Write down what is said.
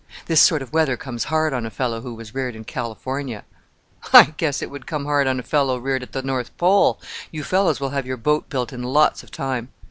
This sort of weather comes hard on a fellow who was reared in California." "I guess it would come hard on a fellow reared at the North Pole! You fellows will have your boat built in lots of time."